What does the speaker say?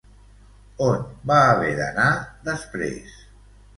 On va haver d'anar després?